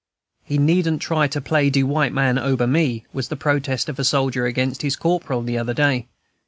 "He needn't try to play de white man ober me," was the protest of a soldier against his corporal the other day.